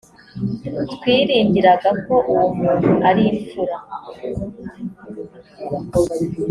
twiringiraga ko uwo muntu ari imfura.